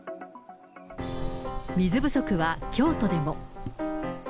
水不足は京都でも。